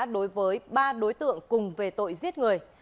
đối với ba đối tượng cùng về tội giết người